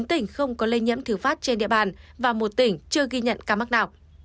bốn tỉnh không có lây nhiễm thứ phát trên địa bàn và một tỉnh chưa ghi nhận ca mắc nào